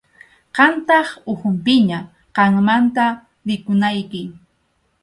Qamtaq ukhupiña, qammanta rikunayki.